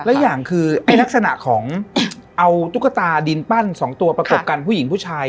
และอย่างคือไอ้ลักษณะของเอาตุ๊กตาดินปั้นสองตัวประกบกันผู้หญิงผู้ชาย